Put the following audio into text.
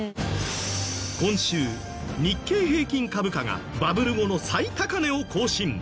今週日経平均株価がバブル後の最高値を更新。